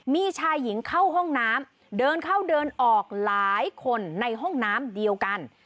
มีชายหญิงเข้าห้องน้ำเดินเข้าเดินออกหลายคนในห้องน้ำเดียวกัน